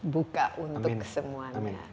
buka untuk semuanya